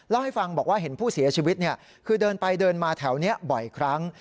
เล่าให้ฟังบอกว่าเห็นผู้เสียชีวิตคือเดินไปเดินมาแถวนี้บ่อยครั้ง